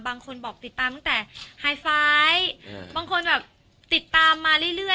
บางคนบอกติดตามตั้งแต่ไฮไฟท์บางคนแบบติดตามมาเรื่อย